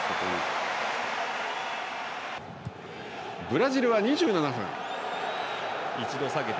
ブラジルは２７分。